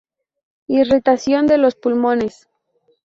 Irritación de los pulmones.